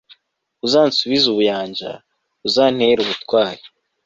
uzansubize ubuyanja, uzantere ubutwari